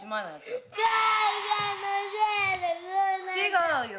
違うよ。